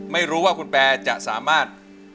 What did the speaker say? ไม่รู้ว่าคุณแปรจะสามารถ